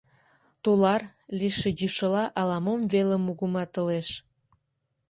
«Тулар» лийше йӱшыла ала-мом веле мугыматылеш...